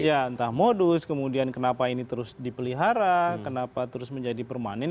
ya entah modus kemudian kenapa ini terus dipelihara kenapa terus menjadi permanen